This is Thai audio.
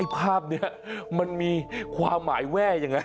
ภาพนี้มันมีความหมายแว่ยังไง